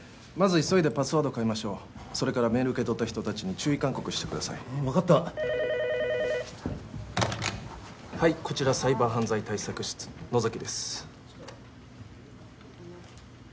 まず急いでパスワードを変えましょうそれからメール受け取った人達に注意勧告してください分かったはいこちらサイバー犯罪対策室野崎です